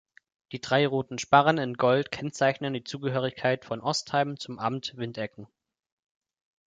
Die drei roten Sparren in Gold kennzeichnen die Zugehörigkeit von Ostheim zum Amt Windecken.